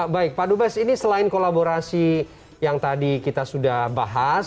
baik pak dubes ini selain kolaborasi yang tadi kita sudah bahas